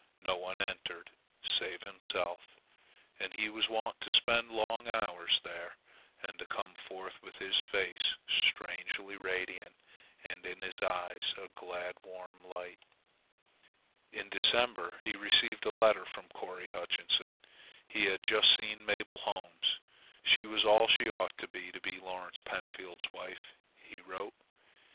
No one entered save himself, and he was wont to spend long hours there, and to come forth with his face strangely radiant and in his eyes a glad, warm light. In December he received a letter from Corry Hutchinson. He had just seen Mabel Holmes. She was all she ought to be, to be Lawrence Pentfield's wife, he wrote.